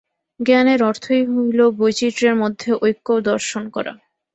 জ্ঞানের অর্থই হইল বৈচিত্র্যের মধ্যে ঐক্য দর্শন করা।